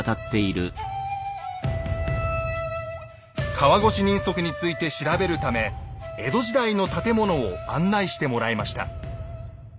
川越人足について調べるため江戸時代の建物を案内してもらいました。